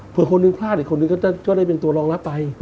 เพื่อคนหนึ่งพลาดอีกคนนึงก็ได้เป็นตัวรองรับไป